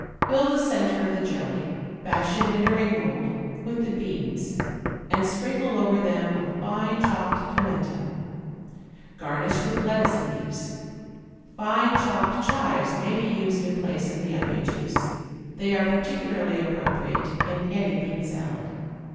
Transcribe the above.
Fill the centre of the jelly, fashioned in a ring mould, with the beans, and sprinkle over them a fine chopped pimento. Garnish with lettuce leaves. Fine chopped chives may be used in the place of the onion juice; they are particularly appropriate in any bean salad.